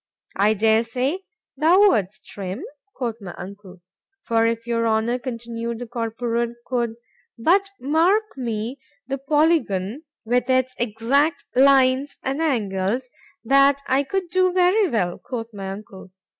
——I dare say thou would'st, Trim, quoth my uncle.—For if your Honour, continued the Corporal, could but mark me the polygon, with its exact lines and angles—That I could do very well, quoth my uncle.